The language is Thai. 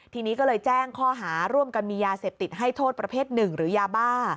ทีนี้ก็เลยแจ้งข้อหาร่วมกันมียาเสพติดให้โทษประเภทหนึ่งหรือยาบ้า